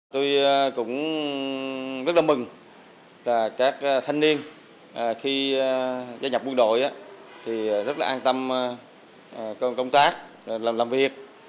tôi cũng rất là mừng là các thanh niên khi gia nhập quân đội thì rất là an tâm công tác làm việc